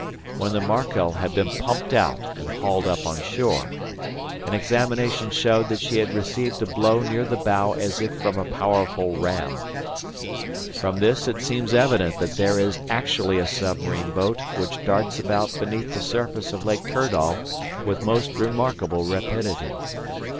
"When the 'Markel' had been pumped out and hauled up on shore, an examination showed that she had received a blow near the bow as if from a powerful ram. "From this it seems evident that there is actually a submarine boat which darts about beneath the surface of Lake Kirdall with most remarkable rapidity.